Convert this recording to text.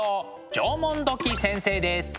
縄文土器先生です。